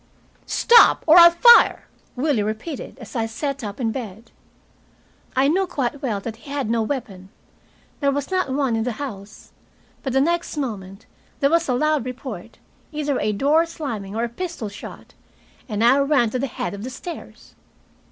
"Stop, or I'll fire!" Willie repeated, as I sat up in bed. I knew quite well that he had no weapon. There was not one in the house. But the next moment there was a loud report, either a door slamming or a pistol shot, and I ran to the head of the stairs.